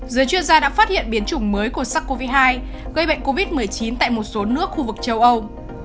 giới chuyên gia đã phát hiện biến chủng mới của sars cov hai gây bệnh covid một mươi chín tại một số nước khu vực châu âu